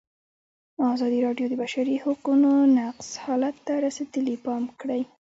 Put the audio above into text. ازادي راډیو د د بشري حقونو نقض حالت ته رسېدلي پام کړی.